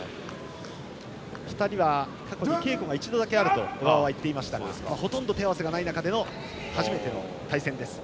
２人は過去に稽古が１度だけあると小川は言っていましたがほとんど手合わせがない中での初めての対戦です。